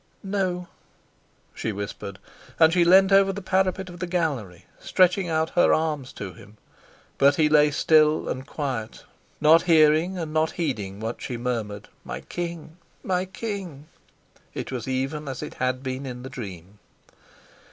"No," she whispered; and she leant over the parapet of the gallery, stretching out her arms to him. But he lay still and quiet, not hearing and not heeding what she murmured, "My king! my king!" It was even as it had been in the dream.